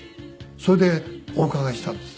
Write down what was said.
それでお伺いしたんです。